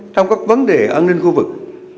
trong các vấn đề an ninh khu vực